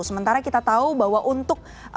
sementara kita tahu bahwa untuk